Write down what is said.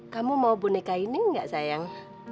kamu mau boneka ini nggak sayang